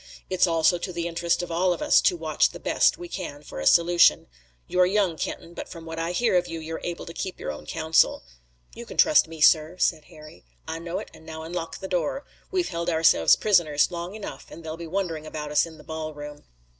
It's also to the interest of all of us to watch the best we can for a solution. You're young, Kenton, but from what I hear of you you're able to keep your own counsel." "You can trust me, sir," said Harry. "I know it, and now unlock the door. We've held ourselves prisoners long enough, and they'll be wondering about us in the ballroom."